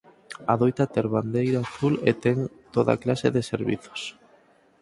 Adoita ter Bandeira Azul e ten toda clase de servizos.